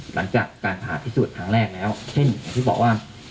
หลังจากการผ่าพิสูจน์ครั้งแรกแล้วเช่นอย่างที่บอกว่า